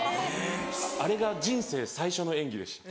あれが人生最初の演技でした。